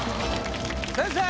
先生！